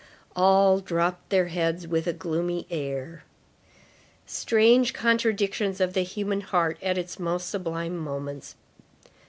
All dropped their heads with a gloomy air. Strange contradictions of the human heart at its most sublime moments.